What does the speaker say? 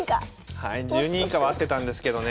１０人以下は合ってたんですけどね。